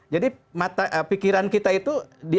jadi pikiran kita itu